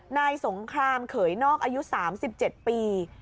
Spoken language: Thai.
นายสงครามเขยนอกอายุ๓๗ปี